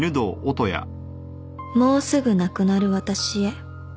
「もうすぐ亡くなる私へ」